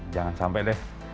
jangan sampai deh